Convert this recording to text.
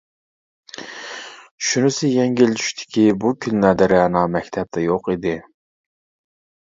شۇنىسى يەڭگىل چۈشتىكى، بۇ كۈنلەردە رەنا مەكتەپتە يوق ئىدى.